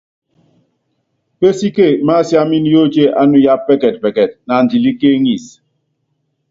Pésíke masiámin yóotié ánuya pɛkɛtpɛkɛt naandilíkéeŋisí.